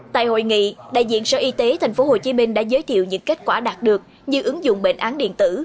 tại hội nghị đại diện sở y tế tp hcm đã giới thiệu những kết quả đạt được như ứng dụng bệnh án điện tử